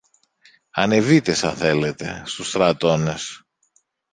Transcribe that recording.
Ανεβείτε, σα θέλετε, στους στρατώνες